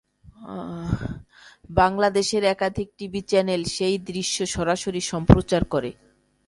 বাংলাদেশের একাধিক TV channel সেই দৃশ্য সরাসরি সম্প্রচার করে।